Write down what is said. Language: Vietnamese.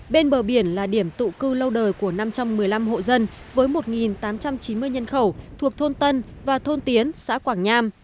bên bờ biển là điểm tụ cư lâu đời của năm trăm một mươi năm hộ dân với một tám trăm chín mươi nhân khẩu thuộc thôn tân và thôn tiến xã quảng nham